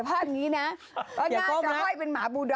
แก้มกลงไปห้อย